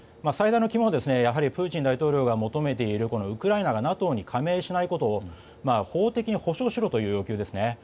最大の肝はやはりプーチン大統領が求めている、ウクライナがＮＡＴＯに加盟しないことを法的に保証しろという要求です。